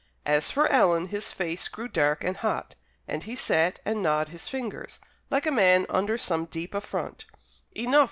As for Alan his face grew dark and hot, and he sat and gnawed his fingers, like a man under some deep affront. "Enough!"